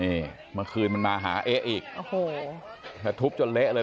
นี่เมื่อคืนมันมาหาเอ๊ะอีกโอ้โหแล้วทุบจนเละเลย